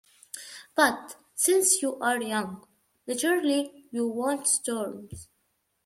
But, since you are young, naturally you want storms.